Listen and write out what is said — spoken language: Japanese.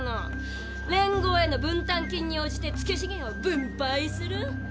「連合への分担金に応じて月資源を分配する」？